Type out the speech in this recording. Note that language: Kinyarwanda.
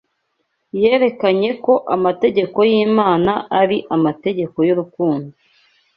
yerekanye ko amategeko y’Imana ari amategeko y’urukundo